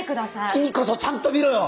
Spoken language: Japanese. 君こそちゃんと見ろよ！